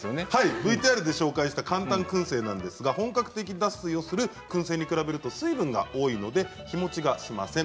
ＶＴＲで紹介した簡単くん製は本格的な脱水をするくん製に比べると水分が多いので日もちはしません。